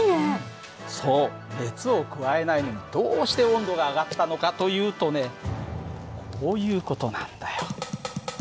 そう熱を加えないのにどうして温度が上がったのかというとねこういう事なんだよ。